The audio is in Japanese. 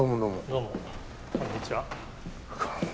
どうもこんにちは。